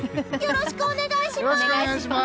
よろしくお願いします！